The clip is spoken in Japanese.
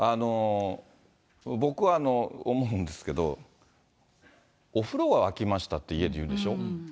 僕は思うんですけど、お風呂が沸きましたって、家で言うでしょ。